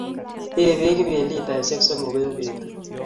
Ee peek Kibet Litaishek somok eng' petut